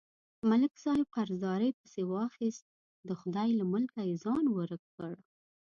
ملک صاحب قرضدارۍ پسې واخیست، د خدای له ملکه یې ځان ورک کړ.